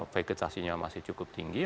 vegetasinya masih cukup tinggi